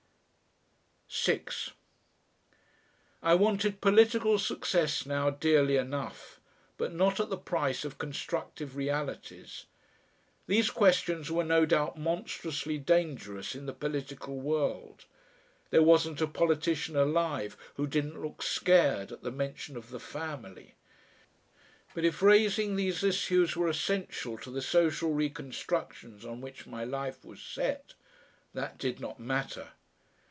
6 I wanted political success now dearly enough, but not at the price of constructive realities. These questions were no doubt monstrously dangerous in the political world; there wasn't a politician alive who didn't look scared at the mention of "The Family," but if raising these issues were essential to the social reconstructions on which my life was set, that did not matter.